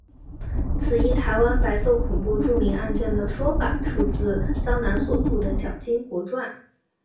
此一台湾白色恐怖著名案件的说法出自江南所着的蒋经国传。